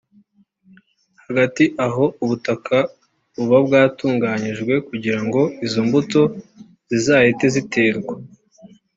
Hagati aho ubutaka buba bwatunganyijwe kugira ngo izo mbuto zizahite ziterwa